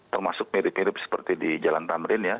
termasuk mirip mirip seperti di jalan tamrin ya